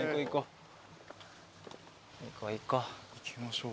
行きましょう。